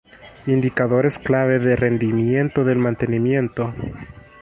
Indicadores clave de rendimiento del mantenimiento".